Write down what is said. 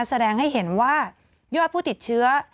แสดงให้เห็นว่ายอดผู้ติดเชื้อ